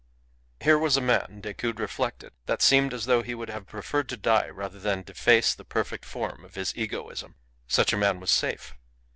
Here was a man, Decoud reflected, that seemed as though he would have preferred to die rather than deface the perfect form of his egoism. Such a man was safe.